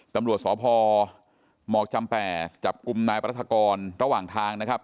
ตำรวจสพหมอกจำแป่จับกลุ่มนายปรัฐกรระหว่างทางนะครับ